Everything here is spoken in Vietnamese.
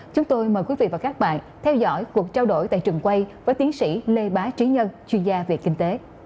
chúng tôi mời quý vị và các bạn theo dõi cuộc trao đổi tại trường quay với tiến sĩ lê bá trí nhân chuyên gia về kinh tế